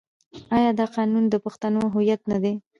آیا دا قانون د پښتنو هویت نه دی؟